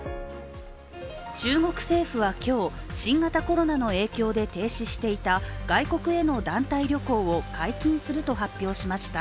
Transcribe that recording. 中国政府は今日、新型コロナの影響で停止していた外国への団体旅行を解禁すると発表しました。